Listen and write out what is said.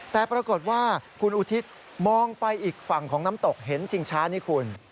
แต่ปรากฏว่าคุณอุทิศมองไปอีกฝั่งของน้ำตกเห็นชิงช้านี่คุณ